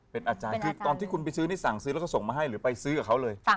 เป็นอาจารย์คือตอนที่คุณไปซื้อนี่สั่งซื้อแล้วก็ส่งมาให้หรือไปซื้อกับเขาเลย